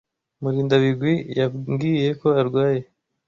Murindabigwi yambwiye ko arwaye.